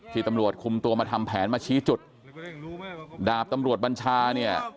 ที่ตำรวจคุมตัวมาทำแผนมาชี้จุดดาบตำรวจบัญชาเนี่ย